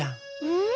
うん？